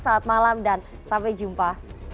selamat malam dan sampai jumpa